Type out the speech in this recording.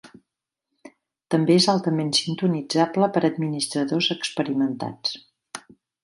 També és altament sintonitzable per administradors experimentats.